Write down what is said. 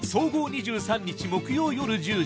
２３日木曜夜１０時。